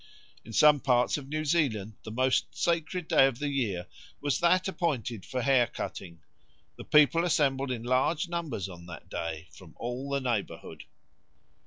In some parts of New Zealand the most sacred day of the year was that appointed for hair cutting; the people assembled in large numbers on that day from all the neighbourhood.